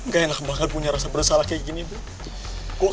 gak enak banget punya rasa bersalah kayak gini bohe